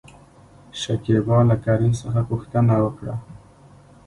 شکيبا له کريم څخه پوښتنه وکړه ؟